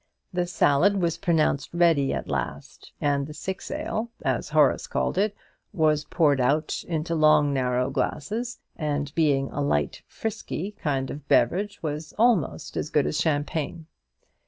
The salad was pronounced ready at last, and the "six ale," as Horace called it, was poured out into long narrow glasses, and being a light frisky kind of beverage, was almost as good as champagne.